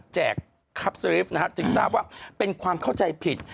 แจกคับสริฟต์จึงตามว่าเป็นความเข้าใจผิด